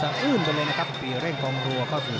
ให้เป็๊บพันกัลอย่างนี่ยยยเยอะเยอะ